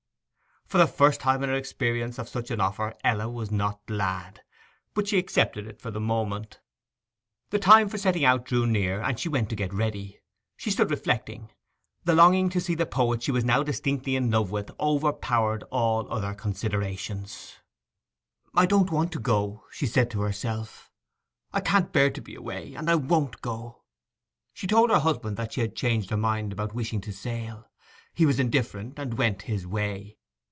For the first time in her experience of such an offer Ella was not glad. But she accepted it for the moment. The time for setting out drew near, and she went to get ready. She stood reflecting. The longing to see the poet she was now distinctly in love with overpowered all other considerations. 'I don't want to go,' she said to herself. 'I can't bear to be away! And I won't go.' She told her husband that she had changed her mind about wishing to sail. He was indifferent, and went his way.